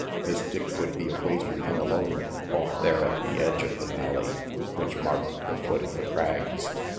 Miss Dick would be awaiting him alone, off there at the edge of the valley which marked the foot of the Crags.